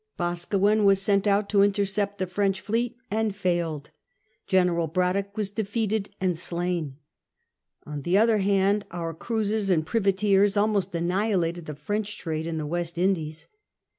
Boscawen was sent out to intercept the French fleet and failed. General Braddock was defeated and slain. On the other hand', our cruisers and privateers almost annihilated the French trade in the West Indies.